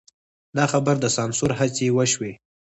د خبر د سانسور هڅې وشوې.